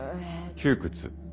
窮屈。